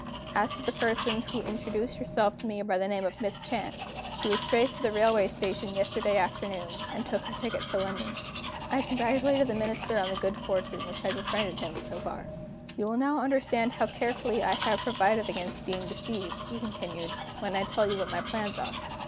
As to the person who introduced herself to me by the name of Miss Chance, she was traced to the railway station yesterday afternoon, and took her ticket for London." I congratulated the Minister on the good fortune which had befriended him, so far. "You will understand how carefully I have provided against being deceived," he continued, "when I tell you what my plans are.